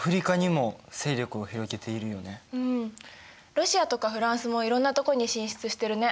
ロシアとかフランスもいろんなとこに進出してるね。